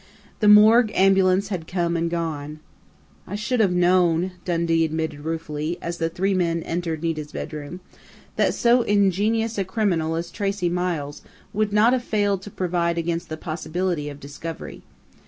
The morgue ambulance had come and gone.... "I should have known," Dundee admitted ruefully, as the three men entered Nita's bedroom, "that so ingenious a criminal as Tracey Miles would not have failed to provide against the possibility of discovery.